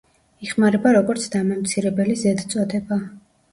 იხმარება როგორც დამამცირებელი ზედწოდება.